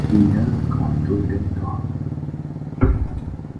Khi nớ có tui đứng đó